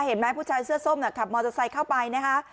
เห็นไหมผู้ชายเสื้อส้มขับมอเตอร์ไซค์เข้าไปนะคะ